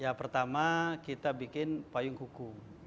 ya pertama kita bikin payung hukum